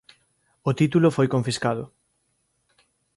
O título foi confiscado.